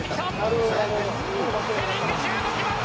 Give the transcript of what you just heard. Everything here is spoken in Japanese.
ヘディングシュート決まった！